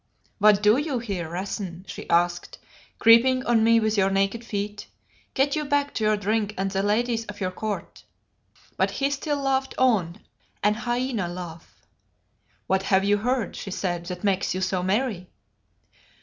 "What do you here, Rassen?" she asked, "creeping on me with your naked feet? Get you back to your drink and the ladies of your court." But he still laughed on, an hyena laugh. "What have you heard?" she said, "that makes you so merry?"